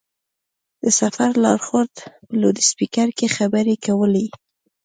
د سفر لارښود په لوډسپېکر کې خبرې کولې.